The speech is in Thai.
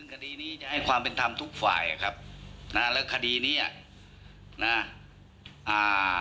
คดีนี้จะให้ความเป็นธรรมทุกฝ่ายอ่ะครับนะแล้วคดีเนี้ยนะอ่า